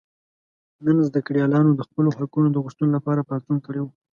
نن زده کړیالانو د خپلو حقونو د غوښتلو لپاره پاڅون کړی و.